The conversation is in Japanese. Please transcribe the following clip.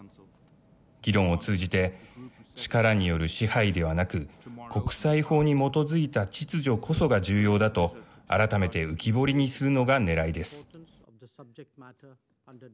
議論を通じて力による支配ではなく国際法に基づいた秩序こそが重要だとあらためて浮き彫りにするのがねらいです。